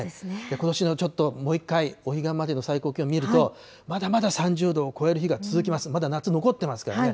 ことしも、もう一回お彼岸までの最高気温見ると、まだまだ３０度を超える日が続きます、まだ夏残ってますからね。